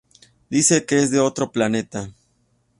Dice que es de otro planeta.